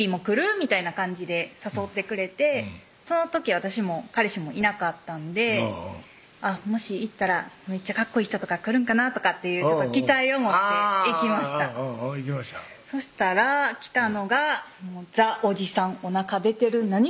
みたいな感じで誘ってくれてその時私も彼氏もいなかったんでもし行ったらめっちゃかっこいい人とか来るんかなとかっていう期待を持って行きました行きましたそしたら来たのがザ・おじさんおなか出てるなに？